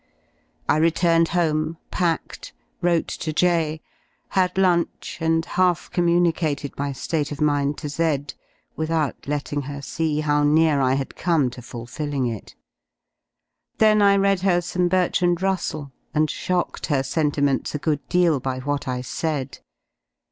I returned home, packed, wrote to J , had lunch, and half communicated my ^ate of mind to Z , without r letting her see how near I had come to fulfilling it. Then I read her some Bertrand Russell, and shocked her senti ments a good deal by what I said.